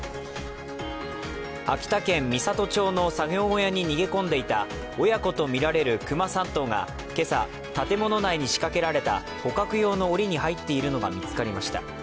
秋田県美郷町の作業小屋に逃げ込んでいた親子とみられる熊３頭が今朝、建物内に仕掛けられた捕獲用のおりに入っているのが見つかりました。